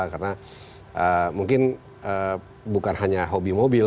karena mungkin bukan hanya hobi mobil